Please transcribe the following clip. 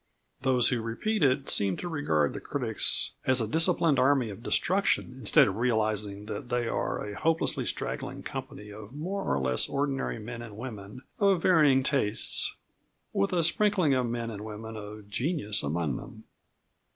Those who repeat it seem to regard the critics as a disciplined army of destruction instead of realising that they are a hopelessly straggling company of more or less ordinary men and women of varying tastes, with a sprinkling of men and women of genius among them.